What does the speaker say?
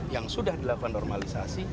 yang sudah dilakukan normalisasi